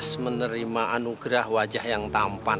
dia juga gak pantas menerima anugerah wajah yang tampan